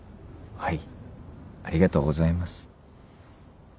はい。